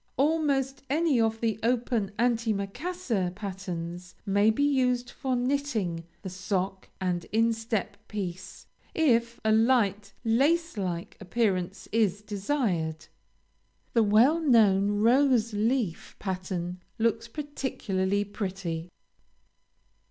Almost any of the open anti maccassar patterns may be used for knitting the sock and instep piece, if a light lace like appearance is desired. The well known rose leaf pattern looks particularly pretty.